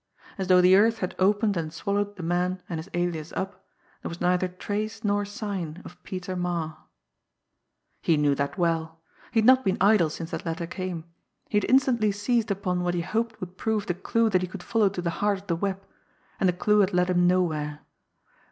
As though the earth had opened and swallowed the man and his alias up, there was neither trace nor sign of Peter Marre. He knew that well! He had not been idle since that letter came! He had instantly seized upon what he had hoped would prove the clue that he could follow to the heart of the web and the clue had led him nowhere.